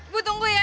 bu tunggu ya